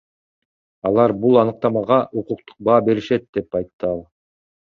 Алар бул аныктамага укуктук баа беришет, — деп айтты ал.